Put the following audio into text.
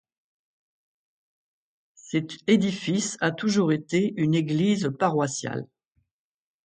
Cet édifice a toujours été une église paroissiale.